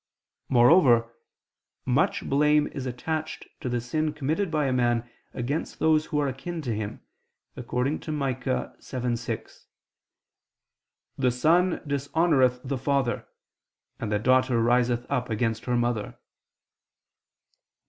Moreover much blame is attached to the sin committed by a man against those who are akin to him, according to Micah 7:6: "the son dishonoreth the father, and the daughter riseth up against her mother."